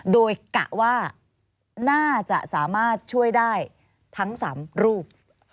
โดยกะว่าน่าจะสามารถช่วยได้ทั้ง๓รูป